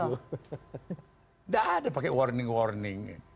tidak ada pakai warning warning